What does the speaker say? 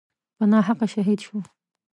په ناحقه شهید شو.